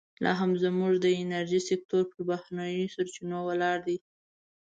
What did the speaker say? لا هم زموږ د انرژۍ سکتور پر بهرنیو سرچینو ولاړ دی.